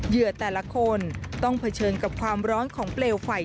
เหยื่อแต่ละคนต้องเผชิญกับความร้อนของเปลวไฟ